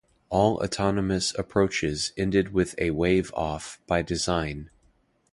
All autonomous approaches ended with a wave-off by design.